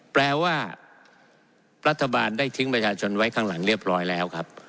แปลว่ารัฐบาลได้ทิ้งประชาชนไว้ข้างหลังเรียบร้อยแล้วครับ